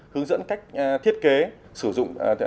hướng dẫn cách thiết kế sử dụng